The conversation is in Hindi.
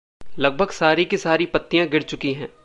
लगभग सारी-की-सारी पत्तियाँ गिर चुकीं हैं।